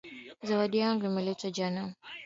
Zawadi yangu imeletwa jana.